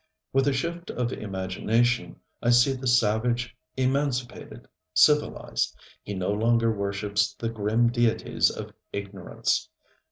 With a shift of imagination I see the savage emancipated, civilized. He no longer worships the grim deities of ignorance.